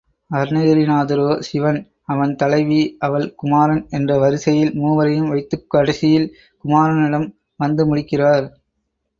அருணகிரிநாதரோ சிவன், அவன் தலைவி, அவள் குமாரன் என்ற வரிசையில் மூவரையும் வைத்துக் கடைசியில் குமாரனிடம் வந்து முடிக்கிறார்.